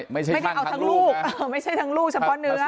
ไม่ได้เอาทั้งลูกไม่ใช่ทั้งลูกเฉพาะเนื้อ